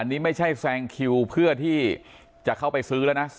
นี่ไม่ใช่แซงคิวเพื่อที่จะเข้าไปซื้อแล้วนะ